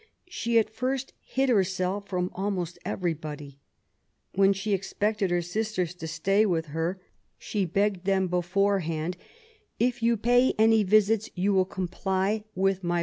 She at first hid herself from almost everybody. When she expected her sisters to stay with her, she begged them before hand, '* If you pay any visits you will comply with my 72 MABY W0LL8T0NE0BAFT GODWIN.